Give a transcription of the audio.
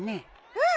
うん。